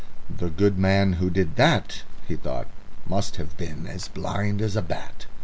"The good man who did that," he thought, "must have been as blind as a bat."